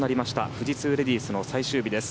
富士通レディースの最終日です。